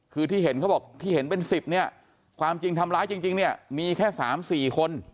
คือที่เห็นว่าจะเป็น๑๐เนี่ยความจริงทำร้ายจริงเนี่ยมีแค่๓๔คน